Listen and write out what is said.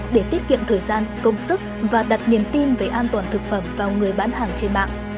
để tiết kiệm thời gian công sức và đặt niềm tin về an toàn thực phẩm vào người bán hàng trên mạng